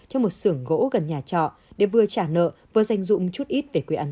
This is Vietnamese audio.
trong một xưởng gỗ gần nhà trọ để vừa trả nợ vừa dành dụng chút tiền